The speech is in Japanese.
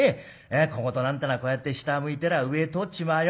小言なんてのはこうやって下向いてりゃ上へ通っちまうよ。